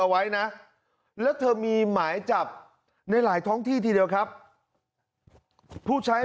ไว้นะแล้วเธอมีหมายจับในหลายท้องที่ทีเดียวครับผู้ใช้